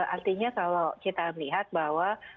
artinya kalau kita melihat bahwa